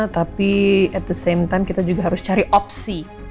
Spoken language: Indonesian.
tapi at the same time kita juga harus cari opsi